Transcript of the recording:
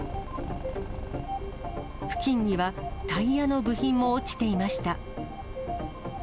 付近にはタイヤの部品も落ちていました。